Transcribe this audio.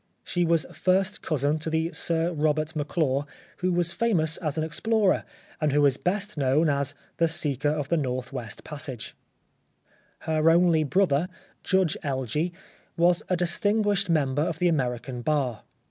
She was first cousin to the Sir Robert M'Clure who was famous as an ex plorer, and who is best known as " the seeker of the N. W. passage." Her only brother, Judge Elgee, was a distinguished member of the American bar.